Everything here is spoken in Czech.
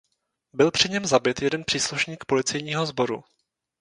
Byl při něm zabit jeden příslušník Policejního sboru.